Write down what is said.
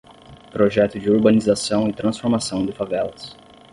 Projeto de urbanização e transformação de favelas